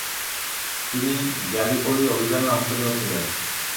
তিনি গ্যালিপলি অভিযানে অংশ নিয়েছিলেন।